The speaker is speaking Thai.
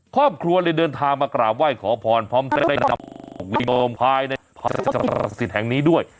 ครอบครัวเลยเดินทางมากราบไหว้ขอพรพร้อมจะได้จับวิโนมภายในพระราชสิทธิ์แห่งนี้ด้วย